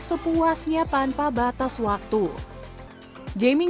sepuasnya tanpa batas waktu gaming